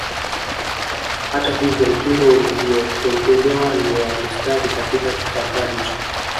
Hata hivyo mtindo uliopendelewa ni wa mistari katika kitambaa hicho